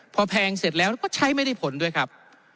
พอแพงเสร็จแล้วก็ใช้ไม่ได้ผลด้วยครับ